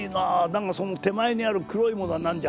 何かその手前にある黒いものは何じゃ？